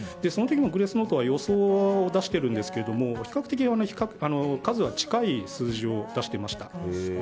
その時もグレースノートは予想を出しているんですけど比較的、数は近い数字を出していました。